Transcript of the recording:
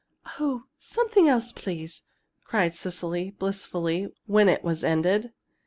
"Oh, something else, please!" sighed Cecily, blissfully, when it was ended.